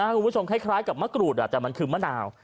คุณผู้ชมคล้ายกับมะกรูดแต่มันคือมะนาว